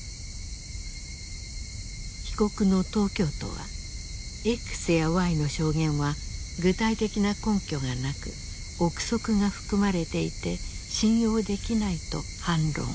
被告の東京都はＸやＹの証言は具体的な根拠がなく臆測が含まれていて信用できないと反論。